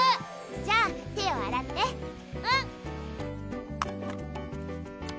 じゃあ手をあらってうん！